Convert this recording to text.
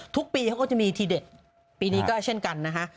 ทุกปีเขาก็จะมีทีเด็ดปีนี้ก็เช่นกันนะคะ